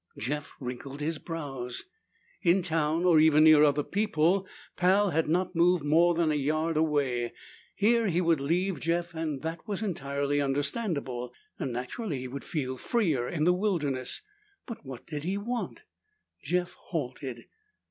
Jeff wrinkled his brows. In town, or even near other people, Pal had not moved more than a yard away. Here he would leave Jeff and that was entirely understandable. Naturally he would feel freer in the wilderness, but what did he want? Jeff halted.